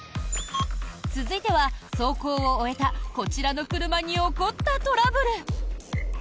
続いては、走行を終えたこちらの車に起こったトラブル。